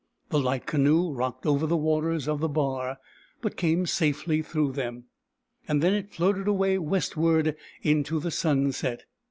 The light canoe rocked over the waters of the bar, but came safely through them ; and then it floated away westward, into the sunset.